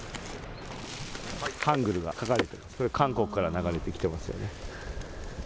ハングルが書かれてます、これ、韓国から流れてきてますよね。